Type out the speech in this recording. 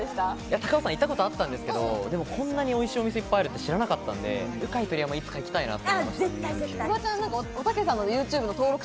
高尾山、行ったことあったんですけど、こんなにおいしいお店いっぱいあるって知らなかったんでうかい鳥山、いつか行ってみたい。